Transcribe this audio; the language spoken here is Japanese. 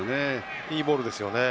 いいボールですよね。